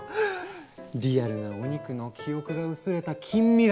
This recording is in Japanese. リアルなお肉の記憶が薄れた近未来